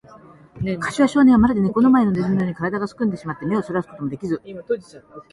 桂少年は、まるでネコの前のネズミのように、からだがすくんでしまって、目をそらすこともできず、